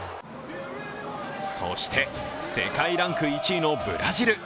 そして世界ランク１位のブラジル。